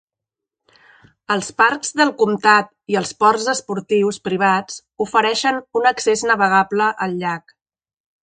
Els parcs del comtat i els ports esportius privats ofereixen un accés navegable al llac.